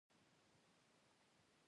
یو سړي یو مار په یخ وهلي حالت کې ولید.